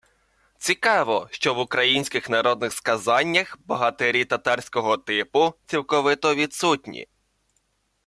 Цікаво, що в українських народних сказаннях богатирі татарського типу цілковито відсутні